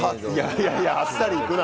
いやいや、あっさり行くな。